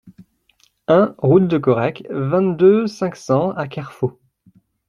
un route de Correc, vingt-deux, cinq cents à Kerfot